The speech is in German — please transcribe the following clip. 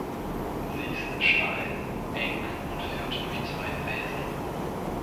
Sie ist steil, eng und führt durch zwei Felsen.